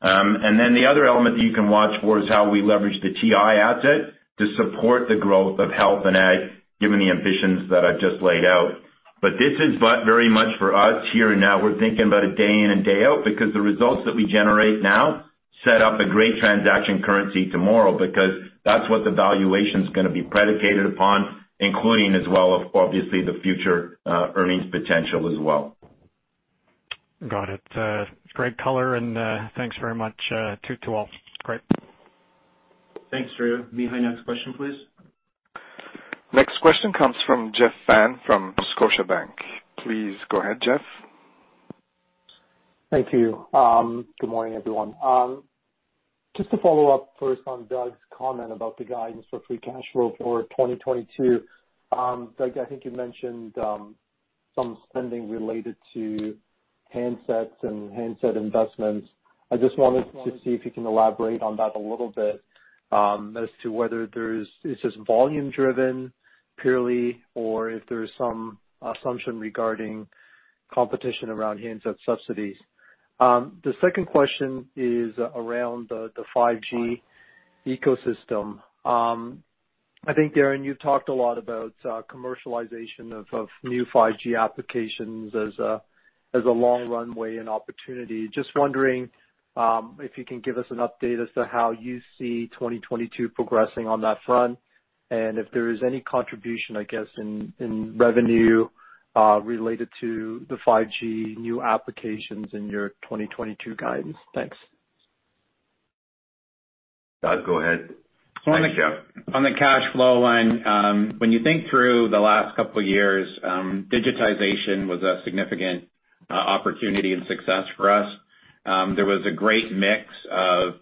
The other element that you can watch for is how we leverage the TI asset to support the growth of health and ag, given the ambitions that I've just laid out. This is very much for us here and now. We're thinking about it day in and day out because the results that we generate now set up a great transaction currency tomorrow, because that's what the valuation is gonna be predicated upon, including as well, obviously, the future, earnings potential as well. Got it. Great color, and thanks very much, too, to all. Great. Thanks, Drew. Mihai, next question, please. Next question comes from Jeff Fan from Scotiabank. Please go ahead, Jeff. Thank you. Good morning, everyone. Just to follow up first on Doug's comment about the guidance for free cash flow for 2022. Doug, I think you mentioned some spending related to handsets and handset investments. I just wanted to see if you can elaborate on that a little bit, as to whether this is volume driven purely or if there is some assumption regarding competition around handset subsidies. The second question is around the 5G ecosystem. I think, Darren, you've talked a lot about commercialization of new 5G applications as a long runway and opportunity. Just wondering if you can give us an update as to how you see 2022 progressing on that front, and if there is any contribution, I guess, in revenue related to the 5G new applications in your 2022 guidance. Thanks. Doug, go ahead. Thanks, Jeff. On the cash flow line, when you think through the last couple of years, digitization was a significant opportunity and success for us. There was a great mix of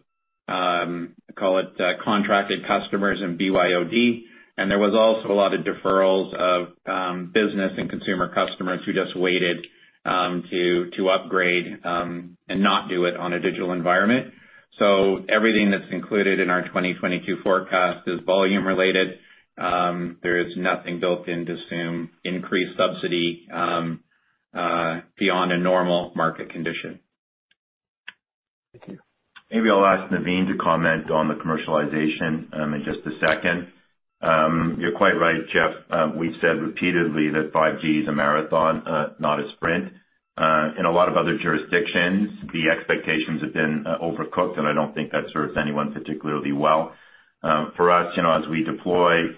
Call it contracted customers and BYOD. There was also a lot of deferrals of business and consumer customers who just waited to upgrade and not do it on a digital environment. Everything that's included in our 2022 forecast is volume related. There is nothing built in to assume increased subsidy beyond a normal market condition. Thank you. Maybe I'll ask Navin to comment on the commercialization in just a second. You're quite right, Jeff. We've said repeatedly that 5G is a marathon not a sprint. In a lot of other jurisdictions, the expectations have been overcooked, and I don't think that serves anyone particularly well. For us, you know, as we deploy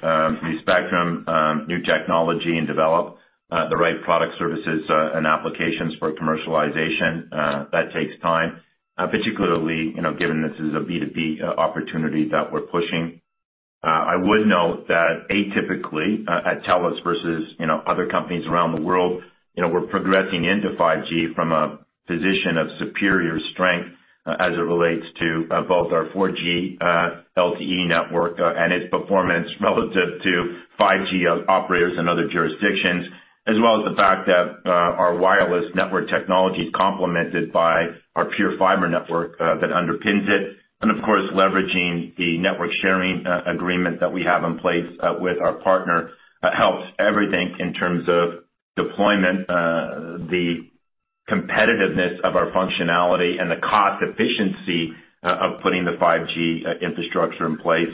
new spectrum, new technology and develop the right product services and applications for commercialization, that takes time, particularly, you know, given this is a B2B opportunity that we're pushing. I would note that atypically, at TELUS versus, you know, other companies around the world, you know, we're progressing into 5G from a position of superior strength, as it relates to, both our 4G, LTE network, and its performance relative to 5G operators in other jurisdictions, as well as the fact that, our wireless network technology is complemented by our PureFibre network, that underpins it. And of course, leveraging the network sharing agreement that we have in place, with our partner helps everything in terms of deployment, the competitiveness of our functionality and the cost efficiency of putting the 5G infrastructure in place.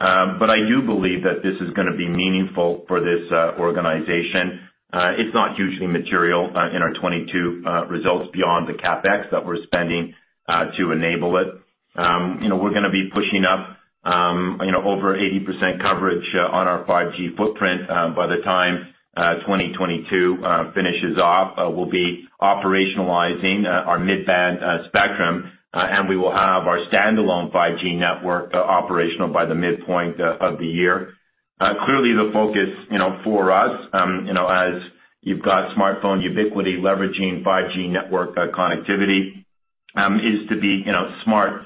I do believe that this is gonna be meaningful for this organization. It's not hugely material in our 2022 results beyond the CapEx that we're spending to enable it. You know, we're gonna be pushing up, you know, over 80% coverage on our 5G footprint by the time 2022 finishes off. We'll be operationalizing our mid-band spectrum, and we will have our standalone 5G network operational by the midpoint of the year. Clearly the focus, you know, for us, you know, as you've got smartphone ubiquity leveraging 5G network connectivity, is to be, you know, smart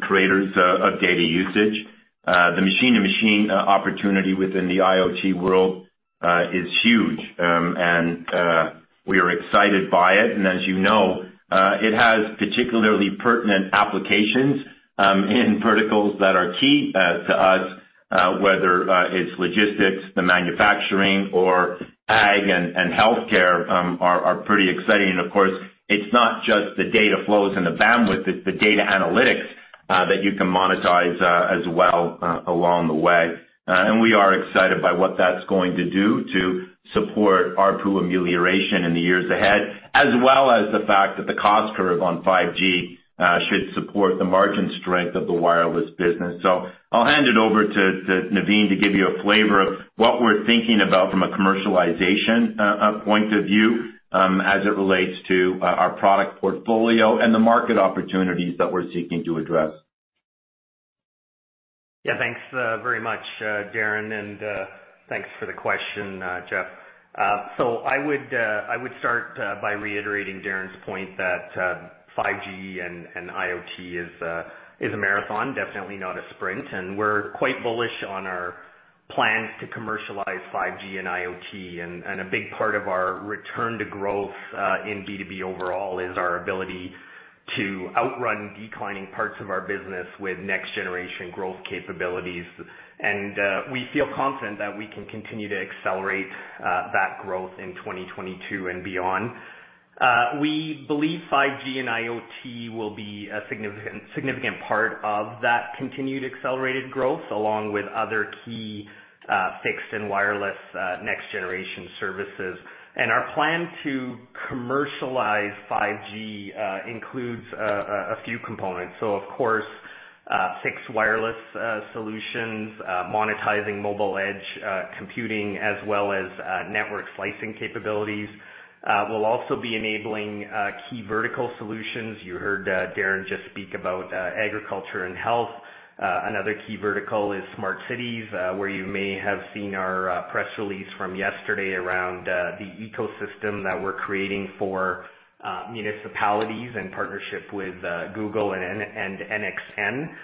creators of data usage. The machine-to-machine opportunity within the IoT world is huge, and we are excited by it. As you know, it has particularly pertinent applications in verticals that are key to us, whether it's logistics, the manufacturing or ag and healthcare are pretty exciting. Of course, it's not just the data flows and the bandwidth, it's the data analytics that you can monetize as well along the way. We are excited by what that's going to do to support ARPU amelioration in the years ahead, as well as the fact that the cost curve on 5G should support the margin strength of the wireless business. I'll hand it over to Navin to give you a flavor of what we're thinking about from a commercialization point of view as it relates to our product portfolio and the market opportunities that we're seeking to address. Yeah. Thanks very much, Darren, and thanks for the question, Jeff. I would start by reiterating Darren's point that 5G and IoT is a marathon, definitely not a sprint. We're quite bullish on our plans to commercialize 5G and IoT. A big part of our return to growth in B2B overall is our ability to outrun declining parts of our business with next generation growth capabilities. We feel confident that we can continue to accelerate that growth in 2022 and beyond. We believe 5G and IoT will be a significant part of that continued accelerated growth, along with other key fixed and wireless next generation services. Our plan to commercialize 5G includes a few components. Of course, fixed wireless solutions, monetizing mobile edge computing, as well as network slicing capabilities. We'll also be enabling key vertical solutions. You heard Darren just speak about agriculture and health. Another key vertical is smart cities, where you may have seen our press release from yesterday around the ecosystem that we're creating for municipalities in partnership with Google and NXN.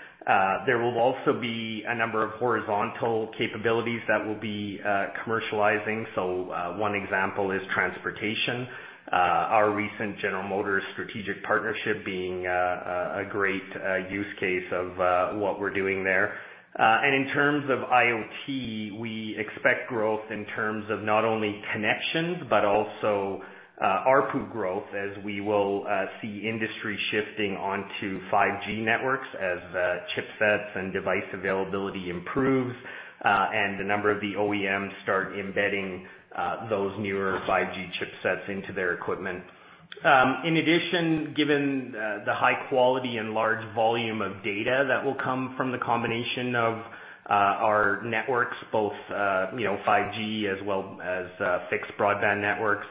There will also be a number of horizontal capabilities that we'll be commercializing. One example is transportation. Our recent General Motors strategic partnership being a great use case of what we're doing there. In terms of IoT, we expect growth in terms of not only connections, but also ARPU growth as we will see industry shifting onto 5G networks as chipsets and device availability improves, and a number of the OEMs start embedding those newer 5G chipsets into their equipment. In addition, given the high quality and large volume of data that will come from the combination of our networks, both you know 5G as well as fixed broadband networks,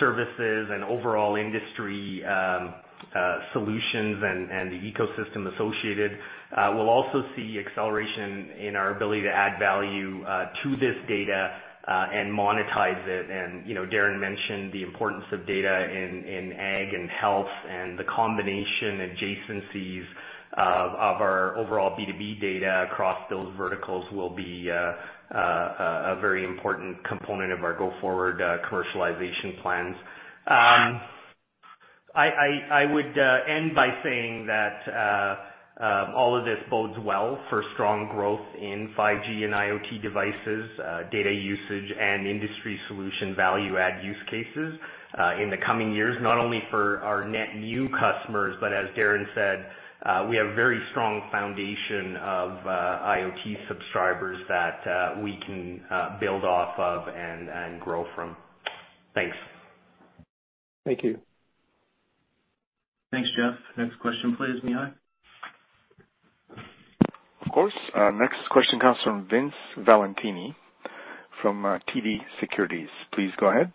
services and overall industry. Solutions and the ecosystem associated. We'll also see acceleration in our ability to add value to this data and monetize it. You know, Darren mentioned the importance of data in ag and health, and the combination adjacencies of our overall B2B data across those verticals will be a very important component of our go-forward commercialization plans. I would end by saying that all of this bodes well for strong growth in 5G and IoT devices, data usage, and industry solution value add use cases in the coming years, not only for our net new customers, but as Darren said, we have a very strong foundation of IoT subscribers that we can build off of and grow from. Thanks. Thank you. Thanks, Jeff. Next question, please, Mihai. Of course. Next question comes from Vince Valentini from TD Securities. Please go ahead.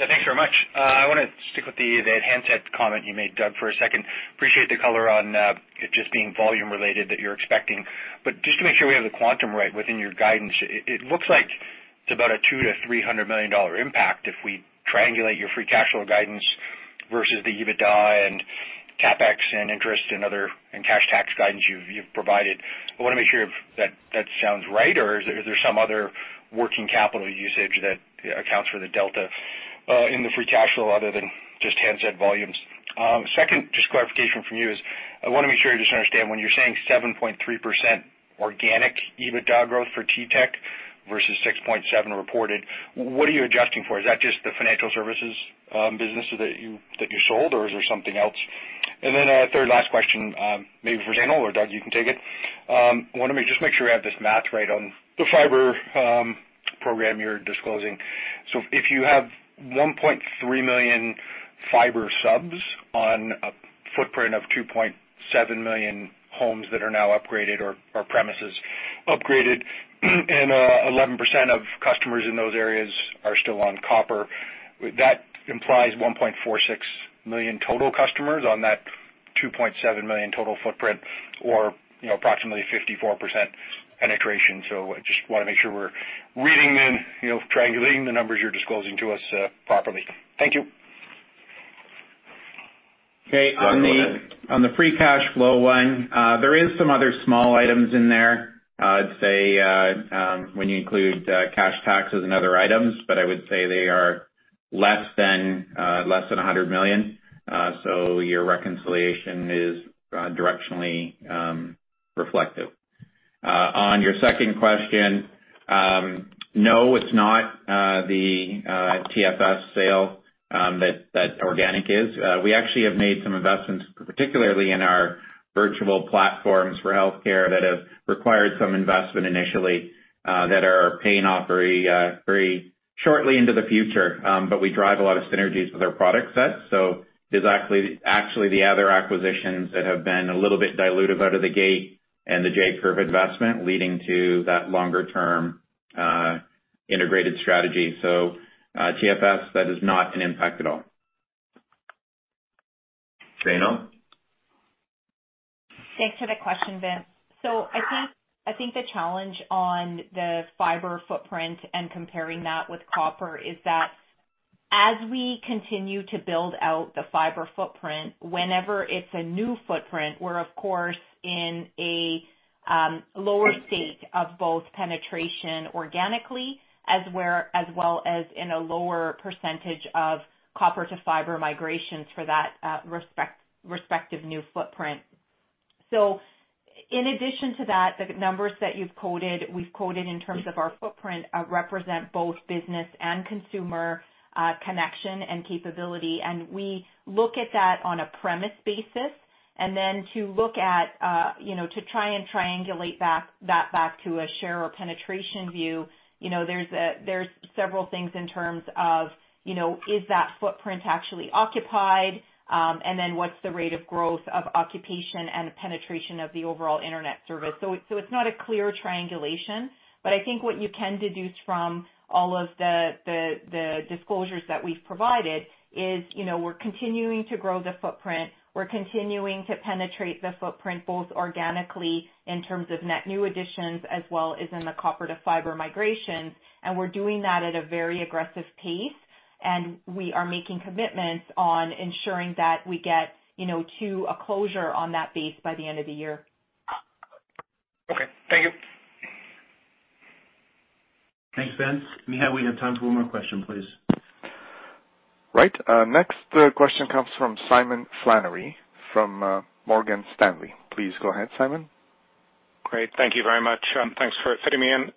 Yeah, thanks very much. I wanna stick with the handset comment you made, Doug, for a second. Appreciate the color on it just being volume related that you're expecting. I want to make sure we have the quantum right within your guidance. It looks like it's about a 200 million-300 million dollar impact if we triangulate your free cash flow guidance versus the EBITDA and CapEx and interest and other and cash tax guidance you've provided. I wanna make sure that that sounds right or is there some other working capital usage that accounts for the delta in the free cash flow other than just handset volumes? Second, just clarification from you is I wanna make sure I just understand when you're saying 7.3% organic EBITDA growth for TELUS Technology Solutions versus 6.7% reported, what are you adjusting for? Is that just the financial services business that you sold or is there something else? A third, last question, maybe for Zainul or Doug, you can take it. I wanna make sure I have this math right on the fiber program you're disclosing. If you have 1.3 million fiber subs on a footprint of 2.7 million homes that are now upgraded or premises upgraded, and eleven percent of customers in those areas are still on copper, that implies 1.46 million total customers on that 2.7 million total footprint or, you know, approximately 54% penetration. I just wanna make sure we're reading in, you know, triangulating the numbers you're disclosing to us, properly. Thank you. Doug, go ahead. Okay. On the free cash flow one, there is some other small items in there, I'd say, when you include cash taxes and other items, but I would say they are less than 100 million. So your reconciliation is directionally reflective. On your second question, no, it's not the TFS sale that organic is. We actually have made some investments, particularly in our virtual platforms for healthcare that have required some investment initially, that are paying off very shortly into the future. But we drive a lot of synergies with our product set. So there's actually the other acquisitions that have been a little bit dilutive out of the gate and the J-curve investment leading to that longer term integrated strategy. TFS, that is not an impact at all. Zainul? Thanks for the question, Vince. I think the challenge on the fiber footprint and comparing that with copper is that as we continue to build out the fiber footprint, whenever it's a new footprint, we're of course in a lower state of both penetration organically, as well as in a lower percentage of copper to fiber migrations for that respective new footprint. In addition to that, the numbers that you've quoted, we've quoted in terms of our footprint represent both business and consumer connection and capability, and we look at that on a premise basis. To look at, you know, to try and triangulate back to a share or penetration view, you know, there's several things in terms of, you know, is that footprint actually occupied, and then what's the rate of growth of occupation and penetration of the overall internet service. It's not a clear triangulation, but I think what you can deduce from all of the disclosures that we've provided is, you know, we're continuing to grow the footprint. We're continuing to penetrate the footprint, both organically in terms of net new additions as well as in the copper to fiber migrations, and we're doing that at a very aggressive pace, and we are making commitments on ensuring that we get, you know, to a closure on that base by the end of the year. Okay. Thank you. Thanks, Vince. Mihai, we have time for one more question, please. Right. Next question comes from Simon Flannery from Morgan Stanley. Please go ahead, Simon. Great. Thank you very much. Thanks for fitting me in.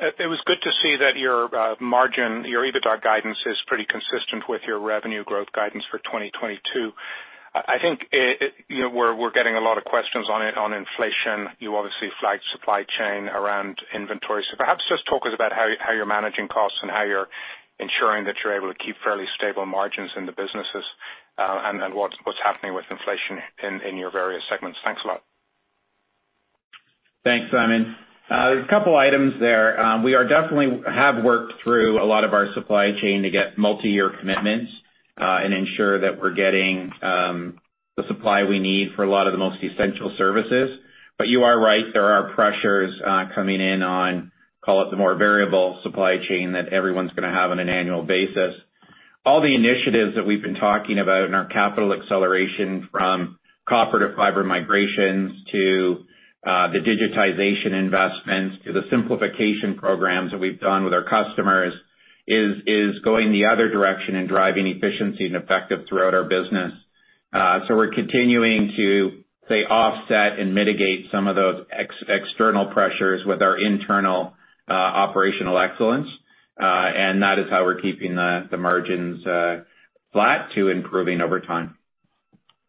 It was good to see that your margin, your EBITDA guidance is pretty consistent with your revenue growth guidance for 2022. I think it, you know, we're getting a lot of questions on inflation. You obviously flagged supply chain around inventory. Perhaps just talk about how you're managing costs and how you're ensuring that you're able to keep fairly stable margins in the businesses, and then what's happening with inflation in your various segments. Thanks a lot. Thanks, Simon. There's a couple items there. We are definitely have worked through a lot of our supply chain to get multiyear commitments, and ensure that we're getting the supply we need for a lot of the most essential services. You are right, there are pressures coming in on, call it the more variable supply chain that everyone's gonna have on an annual basis. All the initiatives that we've been talking about in our capital acceleration from copper to fiber migrations, to the digitization investments, to the simplification programs that we've done with our customers is going the other direction and driving efficiency and effective throughout our business. We're continuing to, say, offset and mitigate some of those external pressures with our internal operational excellence, and that is how we're keeping the margins flat to improving over time.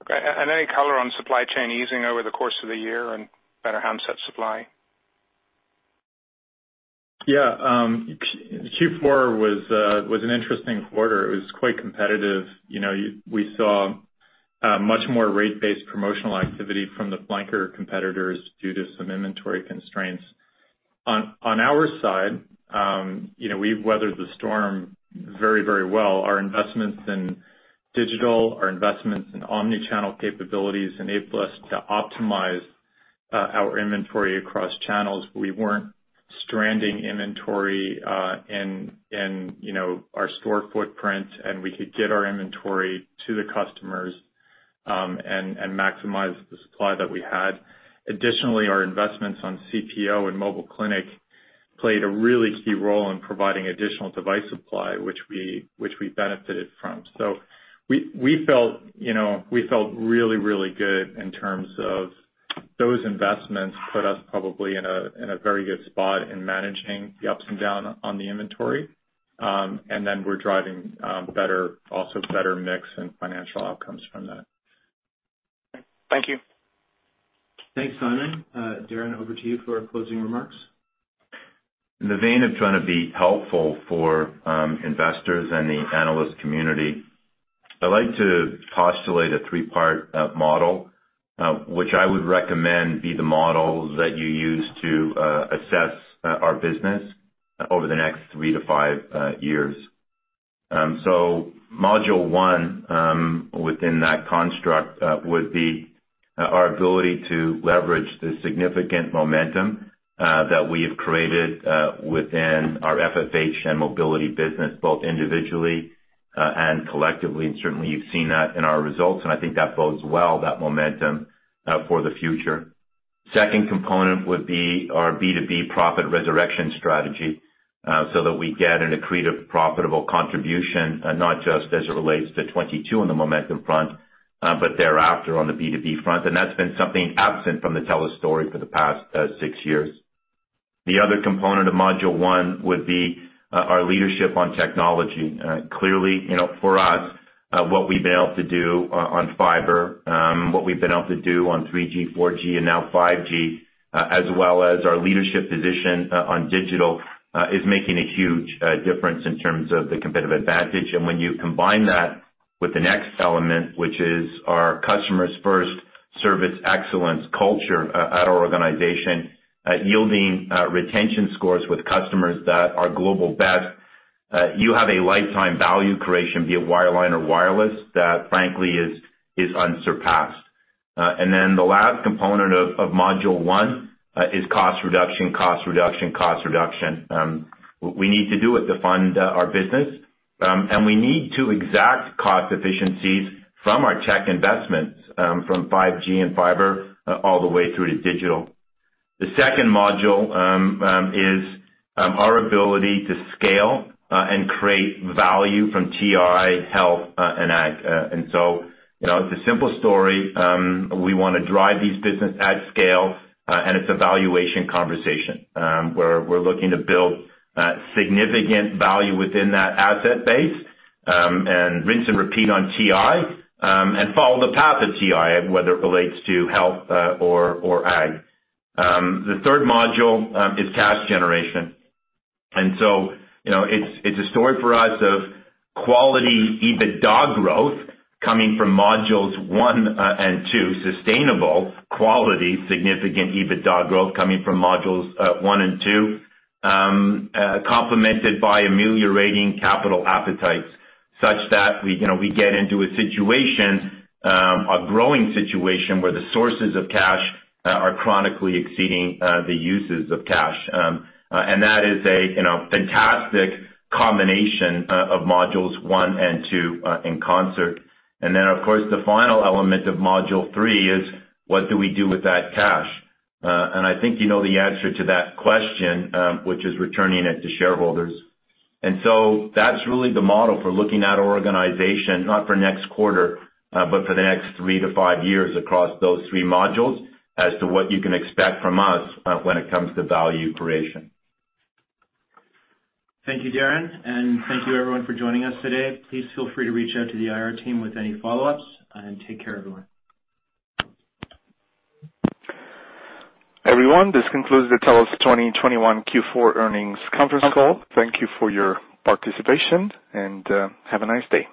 Okay. Any color on supply chain easing over the course of the year and better handset supply? Yeah. Q4 was an interesting quarter. It was quite competitive. You know, we saw much more rate-based promotional activity from the flanker competitors due to some inventory constraints. On our side, you know, we've weathered the storm very well. Our investments in digital, our investments in omni-channel capabilities enable us to optimize our inventory across channels. We weren't stranding inventory in you know, our store footprint, and we could get our inventory to the customers and maximize the supply that we had. Additionally, our investments on CPO and Mobile Clinic played a really key role in providing additional device supply, which we benefited from. We felt, you know, really good in terms of those investments put us probably in a very good spot in managing the ups and down on the inventory. And then we're driving better mix and financial outcomes from that. Thank you. Thanks, Simon. Darren, over to you for our closing remarks. In the vein of trying to be helpful for investors and the analyst community, I like to postulate a three-part model which I would recommend be the model that you use to assess our business over the next 3 to 5 years. Module one within that construct would be our ability to leverage the significant momentum that we have created within our FFH and mobility business, both individually and collectively. Certainly, you've seen that in our results, and I think that bodes well, that momentum, for the future. Second component would be our B2B profit resurrection strategy, so that we get and accrete a profitable contribution not just as it relates to 2022 on the momentum front, but thereafter on the B2B front. That's been something absent from the TELUS story for the past six years. The other component of module one would be our leadership on technology. Clearly, you know, for us, what we've been able to do on fiber, what we've been able to do on 3G, 4G, and now 5G, as well as our leadership position on digital, is making a huge difference in terms of the competitive advantage. When you combine that with the next element, which is our customers first service excellence culture at our organization, yielding retention scores with customers that are global best, you have a lifetime value creation via wireline or wireless that frankly is unsurpassed. The last component of module one is cost reduction. We need to do it to fund our business, and we need to extract cost efficiencies from our tech investments, from 5G and fiber all the way through to digital. The second module is our ability to scale and create value from TI Health and Ag. You know, it's a simple story. We wanna drive these business at scale, and it's a valuation conversation. We're looking to build significant value within that asset base, and rinse and repeat on TI, and follow the path of TI, whether it relates to health or Ag. The third module is cash generation. You know, it's a story for us of quality EBITDA growth coming from modules one and two, sustainable quality, significant EBITDA growth coming from modules one and two, complemented by ameliorating capital appetites such that we, you know, we get into a situation, a growing situation where the sources of cash are chronically exceeding the uses of cash. That is a, you know, fantastic combination of modules one and two in concert. Of course, the final element of module three is what do we do with that cash? I think you know the answer to that question, which is returning it to shareholders. That's really the model for looking at our organization, not for next quarter, but for the next 3-5 years across those three modules as to what you can expect from us, when it comes to value creation. Thank you, Darren, and thank you everyone for joining us today. Please feel free to reach out to the IR team with any follow-ups, and take care, everyone. Everyone, this concludes the TELUS 2021 Q4 earnings conference call. Thank you for your participation and have a nice day.